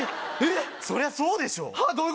そりゃそうでしょえはあ！？